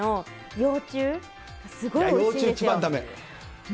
幼虫一番だめ。